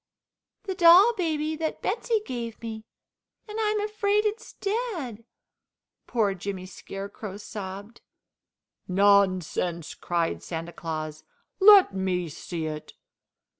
"The doll baby that Betsey gave me, and I'm afraid it's dead," poor Jimmy Scarecrow sobbed. "Nonsense!" cried Santa Claus. "Let me see it!"